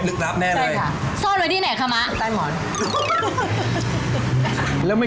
นึกรับแน่นไว้